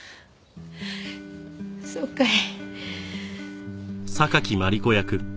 そうかい。